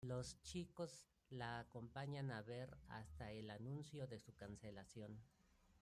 Los chicos la acompañan a ver, hasta el anuncio de su cancelación.